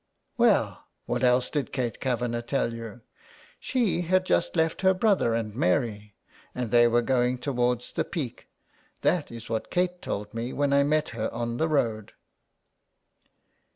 " Well, what else did Kate Kavanagh tell you ?"'* She had just left her brother and Mary, and they were going towards the Peak. That is what Kate told me when I met her on the road."